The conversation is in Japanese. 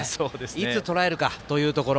いつとらえるかというところ。